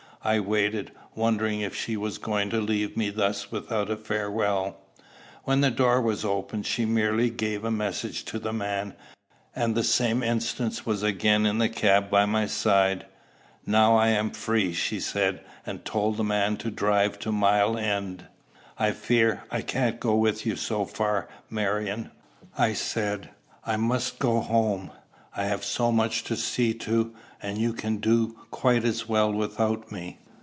I waited, wondering if she was going to leave me thus without a farewell. When the door was opened, she merely gave a message to the man, and the same instant was again in the cab by my side. "Now I am free!" she said, and told the man to drive to Mile End. "I fear I can't go with you so far, Marion," I said. "I must go home I have so much to see to, and you can do quite as well without me.